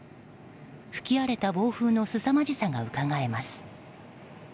吹き荒れた暴風のすさまじさがうかがえます。